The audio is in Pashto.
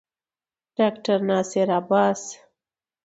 ډاکټر ناصر عباس